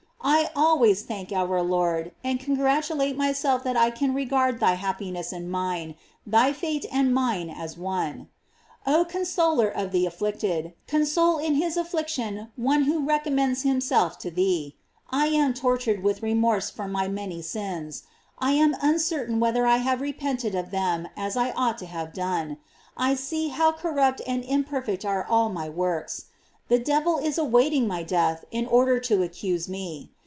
I always thank our Lord, and congratu late myself that I can regard thy happiness and mine, thy fate and mine as one. Oh consoler of the afflicted, console in his affliction one who re commends himself to thee. I am tortured with remorse for my many sins; I am uncertain wheth er I have repented of them as I ought to have done; I see how corrupt and imperfect are all my works. The devil is awaiting my death in order to accuse me.